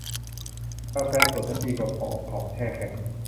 กาแฟสดนั้นดีกว่าพวกของแช่แข็ง